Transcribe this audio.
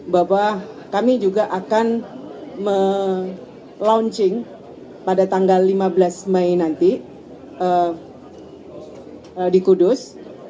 bahwa kami juga akan melaunching pada tanggal lima belas mei nanti di kudus